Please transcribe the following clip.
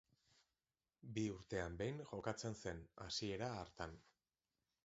Bi urtean behin jokatzen zen, hasiera hartan.